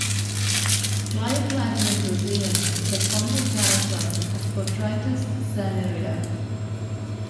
"Gliocladium roseum" is a fungal parasite of "Botrytis cinerea".